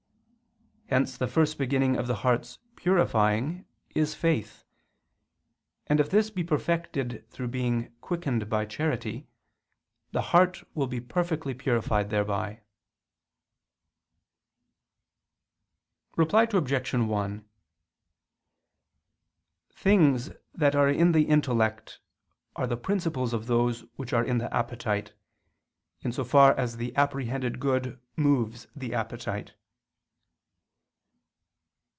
Hence the first beginning of the heart's purifying is faith; and if this be perfected through being quickened by charity, the heart will be perfectly purified thereby. Reply Obj. 1: Things that are in the intellect are the principles of those which are in the appetite, in so far as the apprehended good moves the appetite.